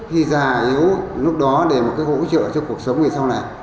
thì già yếu lúc đó để một cái hỗ trợ cho cuộc sống về sau này